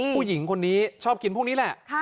ผู้หญิงคนนี้ชอบกินพวกนี้แหละ